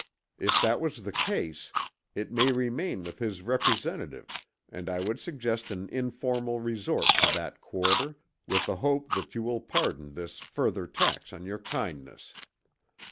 If that was the case, it may remain with his representative, and I would suggest an informal resort to that quarter, with a hope that you will pardon this further tax on your kindness."